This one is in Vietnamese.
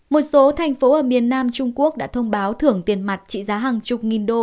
một số thành phố ở miền nam trung quốc đã thông báo thưởng tiền mặt trị giá hàng chục nghìn đô